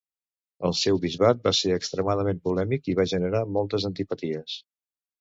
El seu bisbat va ser extremadament polèmic i va generar moltes antipaties.